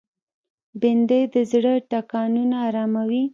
بېنډۍ د زړه ټکانونه آراموي